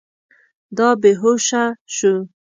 دا بې هوشه سو.